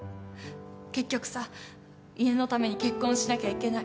結局さ家のために結婚しなきゃいけない。